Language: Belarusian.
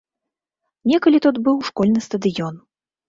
Некалі тут быў школьны стадыён.